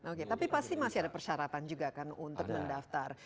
oke tapi pasti masih ada persyaratan juga kan untuk mendaftar